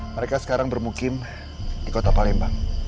mereka sekarang bermukim di kota palembang